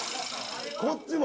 こっちも？